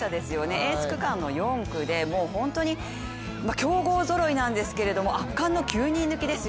エース区間の４区で本当に強豪ぞろいなんですけど圧巻の９人抜きですよ